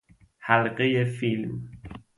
حلقه فیلم